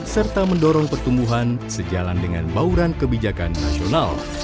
serta mendorong pertumbuhan sejalan dengan bauran kebijakan nasional